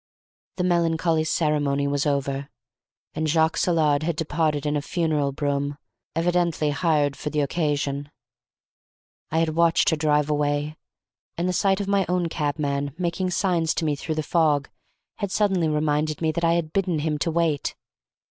The melancholy ceremony was over, and Jacques Saillard had departed in a funeral brougham, evidently hired for the occasion. I had watched her drive away, and the sight of my own cabman, making signs to me through the fog, had suddenly reminded me that I had bidden him to wait.